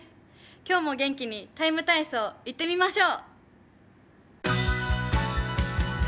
今日も元気に「ＴＩＭＥ，体操」いってみましょう。